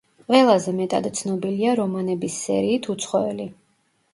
ყველაზე მეტად ცნობილია რომანების სერიით „უცხოელი“.